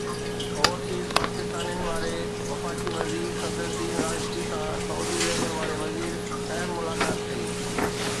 overseas پاڪستانين واري وفاقي وزير صدر الدين راشدي سان سعودي ليبر واري وزير اهم ملاقات ڪئي